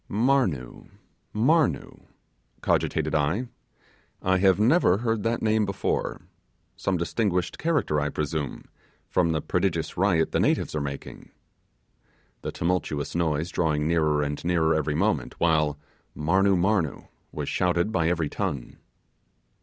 'Marnoo, Marnoo,' cogitated I, 'I have never heard that name before. Some distinguished character, I presume, from the prodigious riot the natives are making;' the tumultuous noise drawing nearer and nearer every moment, while 'Marnoo! Marnoo!' was shouted by every tongue.